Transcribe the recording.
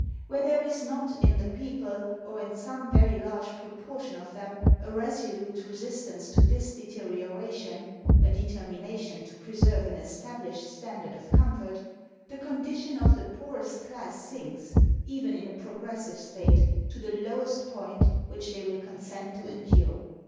Where there is not, in the people, or in some very large proportion of them, a resolute resistance to this deterioration—a determination to preserve an established standard of comfort—the condition of the poorest class sinks, even in a progressive state, to the lowest point which they will consent to endure.